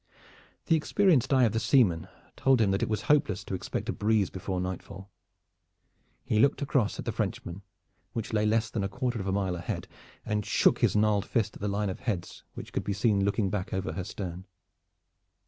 The experienced eye of the seaman told him that it was hopeless to expect a breeze before nightfall. He looked across at the Frenchman, which lay less than a quarter of a mile ahead, and shook his gnarled fist at the line of heads which could be seen looking back over her stern.